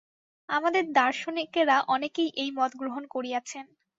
আমাদের দার্শনিকেরা অনেকেই এই মত গ্রহণ করিয়াছেন।